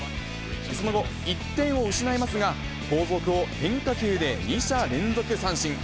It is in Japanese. その後、１点を失いますが、後続を変化球で２者連続三振。